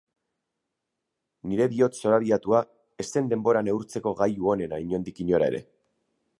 Nire bihotz zorabiatua ez zen denbora neurtzeko gailu onena inondik inora ere.